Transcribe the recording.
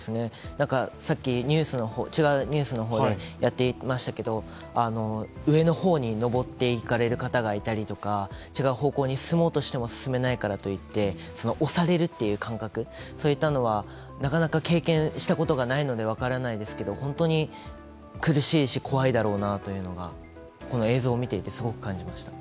さっき違うニュースでやっていましたけれども、上の方に上っていかれる方がいたりとか、違う方向に進もうとしても進めないからといって押されるという感覚、そういったのはなかなか経験したことがないので分からないですけど、本当に苦しいし怖いだろうなというのが映像を見てすごく感じました。